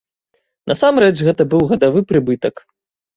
Насамрэч гэта быў гадавы прыбытак.